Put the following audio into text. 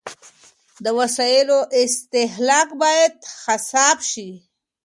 د وسايلو استهلاک بايد حساب سي.